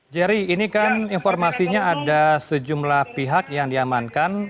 jerry ini kan informasinya ada sejumlah pihak yang diamankan